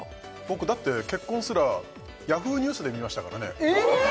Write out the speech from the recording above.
僕だって結婚すらＹａｈｏｏ！ニュースで見ましたからねえ！？